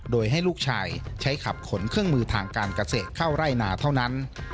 โดยให้ลูกชายใช้ขับขนเครื่องมือทางการเกษตรเข้าไร่นาเท่านั้น